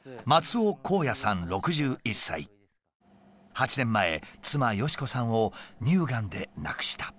８年前妻敏子さんを乳がんで亡くした。